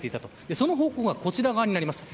その方向がこちら側になります。